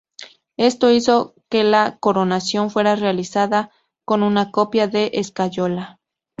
Esto hizo que la coronación fuera realizada con una copia de escayola.